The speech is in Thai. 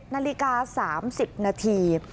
นาฬิกา๓๐นาที